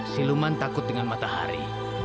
siluman takut dengan matahari